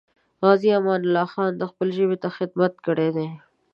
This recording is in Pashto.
غازي امان الله خان خپلې ژبې ته خدمت کړی دی.